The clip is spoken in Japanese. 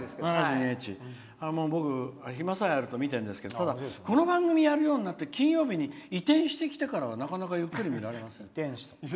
僕、暇さえあると見てるんですけどこの番組やるようになって金曜日に移転してきてからはなかなかゆっくり見られない。